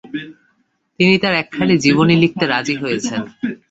তিনি তাঁর একখানি জীবনী লিখতে রাজী হয়েছেন।